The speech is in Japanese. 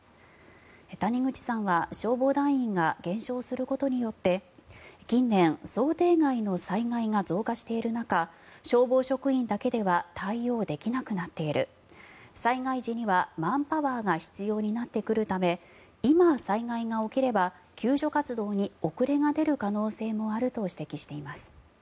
谷口さんは消防団員が減少することによって近年想定外の災害が増加している中消防職員だけでは対応できなくなっている災害時にはマンパワーが必要になってくるため今、災害が起きれば救助活動に遅れが出る可能性もあると指摘しています。